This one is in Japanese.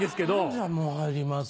じゃあもう入ります。